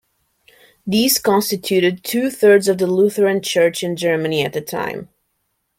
These constituted two-thirds of the Lutheran Church in Germany at the time.